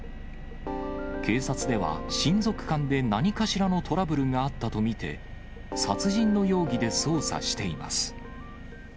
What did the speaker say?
警察では、親族間で何かしらのトラブルがあったと見て、殺人の容疑で捜査しています。